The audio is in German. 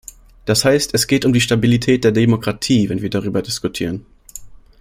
Das heißt, es geht um die Stabilität der Demokratie, wenn wir darüber diskutieren.